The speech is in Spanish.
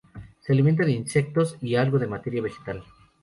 Se alimenta de insectos y algo de materia vegetal.